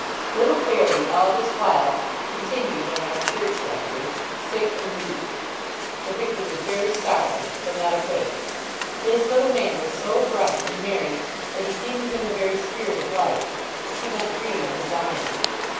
Little Fairy, all this while, continued, in our Church language, 'sick and weak.' The vicar was very sorry, but not afraid. His little man was so bright and merry, that he seemed to him the very spirit of life. He could not dream of his dying.